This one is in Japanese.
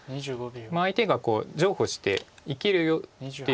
相手が譲歩して生きるよっていう手を。